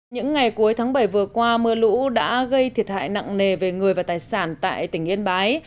những ngày cuối tháng bảy vừa qua mưa lũ đã gây thiệt hại nặng nề về người và tài sản tại tỉnh yên bái